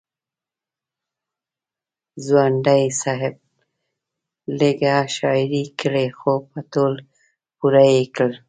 ځونډي صاحب لیږه شاعري کړې خو په تول پوره یې کړې.